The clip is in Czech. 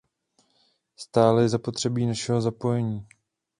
Stále je zapotřebí našeho zapojení.